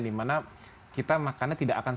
dimana kita makannya tidak akan